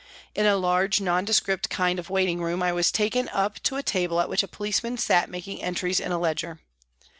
In a large, nondescript kind of waiting room I was taken up to a table at which a policeman sat making entries in a ledger.